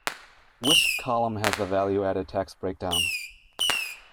Which column has the value-added tax breakdown?